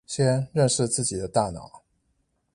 先認識自己的大腦